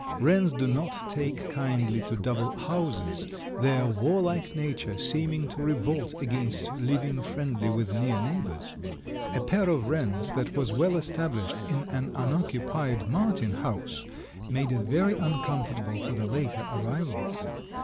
Wrens do not take kindly to double houses, their warlike nature seeming to revolt against living friendly with near neighbors. A pair of wrens that was well established in an unoccupied martin house made it very uncomfortable for the later arrivals.